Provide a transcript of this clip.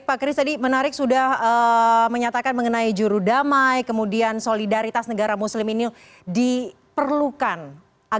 baik pak chris tadi menarik sudah menyatakan mengenai jurudamai kemudian solidaritas negara muslim ini diperlukan agar bisa mendesak adanya perkembangan